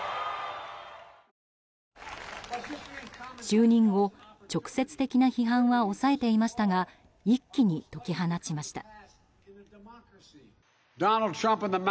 就任後、直接的な批判は抑えていましたが一気に解き放ちました。